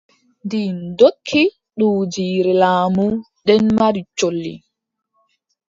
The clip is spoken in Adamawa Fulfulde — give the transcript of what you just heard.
Ɗi ndokki duujiire laamu, nden mari colli.